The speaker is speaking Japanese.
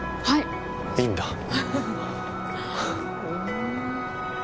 はいいいんだ